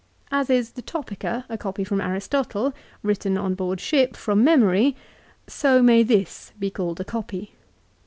As is the "Topica" a copy from Aristotle, written on board ship from memory, so may this be called a copy.